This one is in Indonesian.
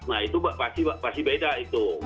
nah itu pasti beda itu